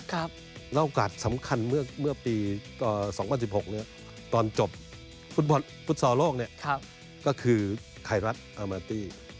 แล้วโอกาสสำคัญเมื่อปี๒๐๑๖ตอนจบฟุตซอลโลกก็คือไทยรัฐอามาตี้